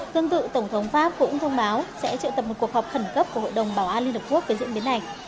tương tự tổng thống pháp cũng thông báo sẽ triệu tập một cuộc họp khẩn cấp của hội đồng bảo an liên hợp quốc về diễn biến này